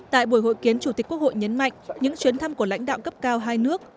tại buổi hội kiến chủ tịch quốc hội nhấn mạnh những chuyến thăm của lãnh đạo cấp cao hai nước